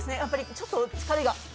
ちょっと疲れが。